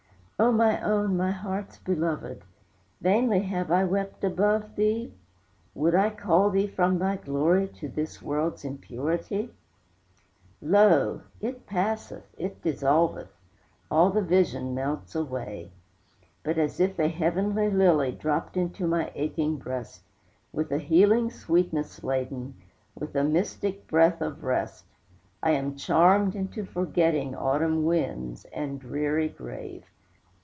O my own, my heart's belovèd, Vainly have I wept above thee? Would I call thee from thy glory To this world's impurity? Lo! it passeth, it dissolveth, All the vision melts away; But as if a heavenly lily Dropped into my aching breast, With a healing sweetness laden, With a mystic breath of rest, I am charmed into forgetting Autumn winds and dreary grave.